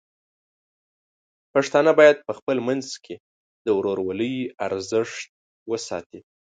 پښتانه بايد په خپل منځ کې د ورورولۍ ارزښت وساتي.